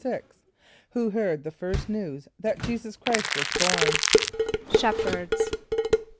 = Who heard the first news that J[=e]´[s+]us Chr[=i]st was born? =Shepherds.